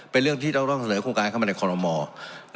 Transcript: เป็นเรื่องที่ต้องเสนอโครงการเข้ามาในคอรมอล์